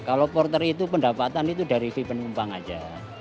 kalau porter itu pendapatan itu dari vipenumpang aja